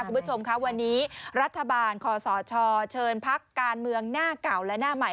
คุณผู้ชมค่ะวันนี้รัฐบาลคอสชเชิญพักการเมืองหน้าเก่าและหน้าใหม่